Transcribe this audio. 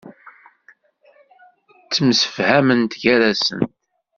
Ttemsifhament gar-asent.